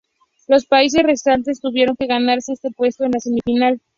Los países restantes tuvieron que ganarse este puesto en la semifinal.